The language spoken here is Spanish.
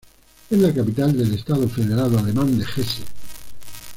Es la capital del estado federado alemán de Hesse.